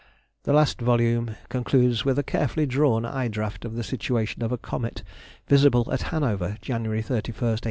The last volume concludes with a carefully drawn eye draft of the situation of a comet visible at Hanover, January 31st, 1824.